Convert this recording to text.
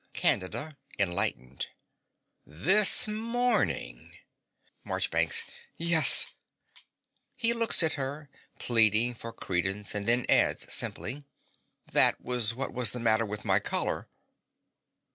CANDIDA (enlightened). This morning! MARCHBANKS. Yes. (He looks at her, pleading for credence, and then adds, simply) That was what was the matter with my collar.